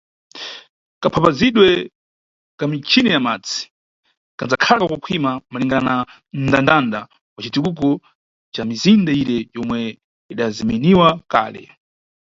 Kapamphazidwe ka michini ya madzi kandzakhala kakukhwima malingana na nʼndandanda wa citukuko ca mizinda ire yomwe idazemeniwa kale.